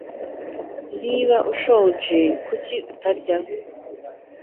Niba ushonje, kuki utarya?